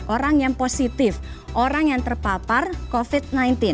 orang yang positif orang yang terpapar covid sembilan belas